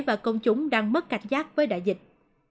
và công chúng đang mất cảnh giác với đại dịch